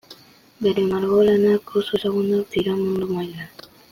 Bere margolanak oso ezagunak dira mundu mailan.